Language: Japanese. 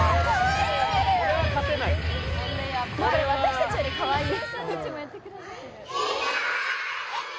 私たちよりかわいい。